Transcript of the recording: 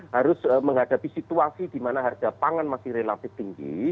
harus menghadapi situasi di mana harga pangan masih relatif tinggi